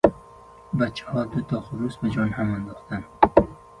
برنامه ساز کامپیوتر